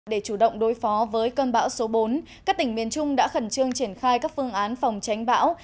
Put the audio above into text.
để chủ động đối phó với cơn bão số bốn các tỉnh miền trung đã khẩn trương triển khai các phương án phòng tránh bão